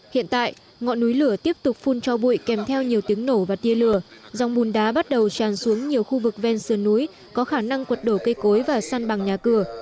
hiện tại ngọn núi lửa tiếp tục phun cho bụi kèm theo nhiều tiếng nổ và tia lửa dòng bùn đá bắt đầu tràn xuống nhiều khu vực ven sườn núi có khả năng quật đổ cây cối và săn bằng nhà cửa